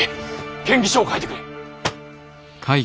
建議書を書いてくれ。